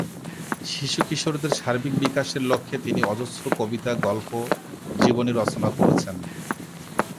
শিশু-কিশোরদের সার্বিক বিকাশের লক্ষ্যে তিনি অজস্র কবিতা, গল্প, জীবনী রচনা করেন।